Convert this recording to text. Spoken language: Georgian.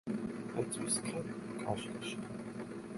ბეწვი სქელი, კაშკაშა.